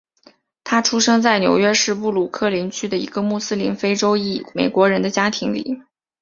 他出生在纽约市布鲁克林区的一个穆斯林非洲裔美国人的家庭里。